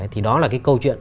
thì đó là cái câu chuyện